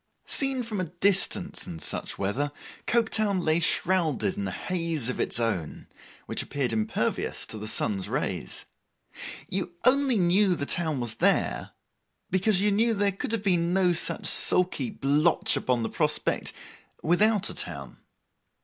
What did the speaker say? Seen from a distance in such weather, Coketown lay shrouded in a haze of its own, which appeared impervious to the sun's rays. You only knew the town was there, because you knew there could have been no such sulky blotch upon the prospect without a town.